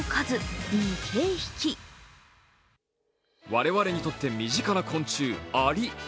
我々にとって身近な昆虫、アリ。